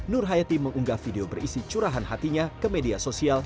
nur hayati mengunggah video berisi curahan hatinya ke media sosial